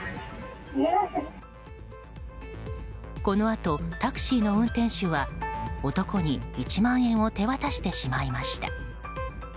このあとタクシーの運転手は男に１万円を手渡してしまいました。